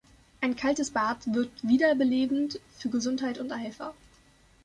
Ein kaltes Bad wirkt wiederbelebend für Gesundheit und Eifer.